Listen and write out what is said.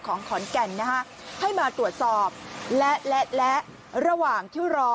ของขอนแก่นนะฮะให้มาตรวจสอบและและระหว่างที่รอ